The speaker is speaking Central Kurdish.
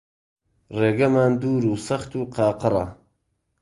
ڕێگەمان دوور و سەخت و قاقڕە